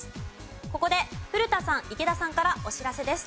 ここで古田さん池田さんからお知らせです。